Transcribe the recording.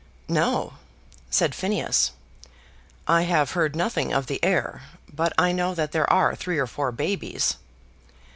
"No," said Phineas; "I have heard nothing of the heir, but I know that there are three or four babies."